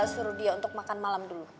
suruh dia untuk makan malam dulu